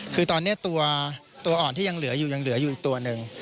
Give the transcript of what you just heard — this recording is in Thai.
คือตอนนี้ตัวอ่อนที่ยังเหลืออยู่ยังเหลืออยู่อีกตัวหนึ่ง